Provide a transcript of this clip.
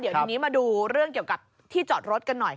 เดี๋ยวทีนี้มาดูเรื่องเกี่ยวกับที่จอดรถกันหน่อย